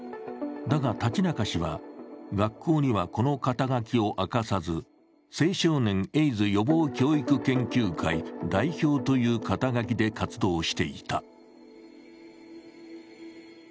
だが、立中氏は学校には、この肩書を明かさず、青少年エイズ予防教育研究会代表という肩書で活動していた。